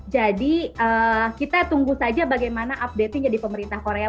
jadi kita tunggu saja bagaimana update nya di pemerintah korea